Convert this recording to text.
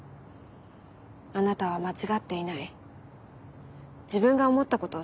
あなたは間違っていない自分が思ったことを貫きなさい。